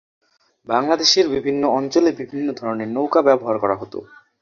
বাংলাদেশের বিভিন্ন অঞ্চলে বিভিন্ন ধরনের নৌকা ব্যবহার করা হত।